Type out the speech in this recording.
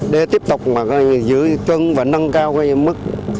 để tiếp tục giữ chân và nâng cao mức